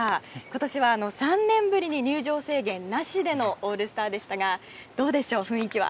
今年は３年ぶりに入場制限なしでのオールスターでしたがどうでしょう、雰囲気は。